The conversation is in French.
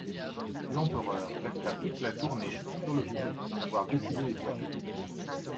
L'empereur resta toute la journée sur le pont à voir défiler les troupes.